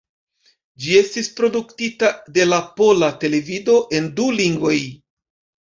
Ĝi estis produktita de la Pola Televido en du lingvoj.